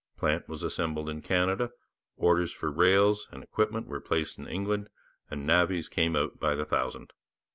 Plant was assembled in Canada, orders for rails and equipment were placed in England, and navvies came out by the thousand.